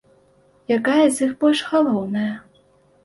Якая з іх больш галоўная?